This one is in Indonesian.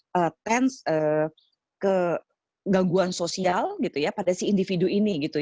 ketegangan tense kegaguan sosial pada si individu ini